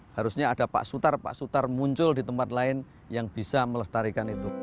harusnya ada pak sutar pak sutar muncul di tempat lain yang bisa melestarikan itu